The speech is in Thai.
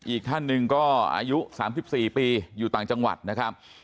อีกท่านหนึ่งก็อายุ๓๔ปีอยู่ต่างจังหวัดนะครับ